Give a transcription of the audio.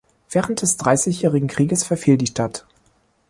Während des Dreißigjährigen Krieges verfiel die Stadt.